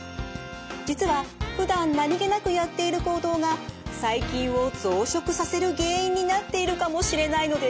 実はふだん何気なくやっている行動が細菌を増殖させる原因になっているかもしれないのです。